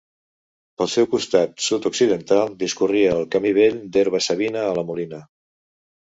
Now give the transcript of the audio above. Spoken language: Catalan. Pel seu costat sud-occidental discorria el Camí Vell d'Herba-savina a la Molina.